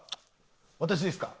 私ですか？